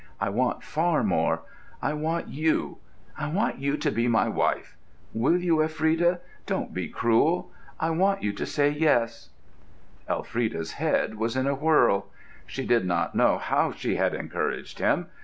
I want far more. I want you—I want you to be my wife. Will you, Elfrida? Don't be cruel. I want you to say 'yes'!" Elfrida's head was in a whirl. She did not know how she had encouraged him.